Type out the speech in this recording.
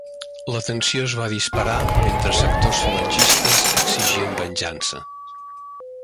La tensió es va disparar, mentre sectors falangistes exigien venjança.